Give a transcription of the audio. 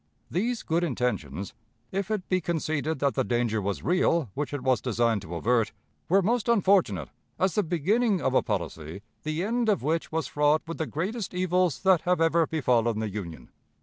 These good intentions, if it be conceded that the danger was real which it was designed to avert, were most unfortunate as the beginning of a policy the end of which was fraught with the greatest evils that have ever befallen the Union.